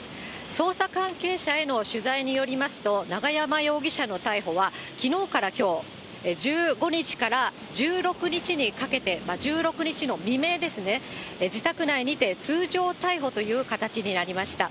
捜査関係者への取材によりますと、永山容疑者の逮捕は、きのうからきょう、１５日から１６日にかけて、１６日の未明ですね、自宅内にて通常逮捕という形になりました。